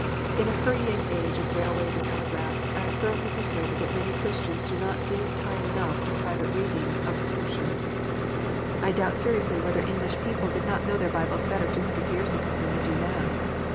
In a hurrying age of railways and telegraphs, I am firmly per suaded that many Christians do not give time enough to private reading of the Scriptures. I doubt seriously whether English 398 KNOTS UNTIED. people did not know their Bibles better two hundred years ago than they do now.